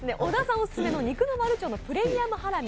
オススメの肉の丸長のプレミアムハラミ